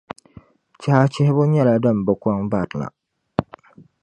Chiha chihibu nyɛla dim bi kɔŋ barina.